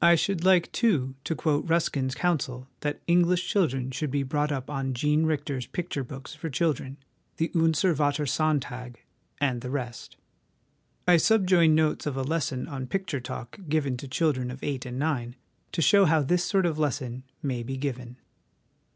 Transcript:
I should like, too, to quote Ruskin's counsel that English children should be brought up on Jean Richter's picture books for children, the Unser Vater, Sontag^ and the rest. I subjoin notes of a lesson on a Picture talk 2 given to children of eight and nine, to show how this sort of lesson may be given.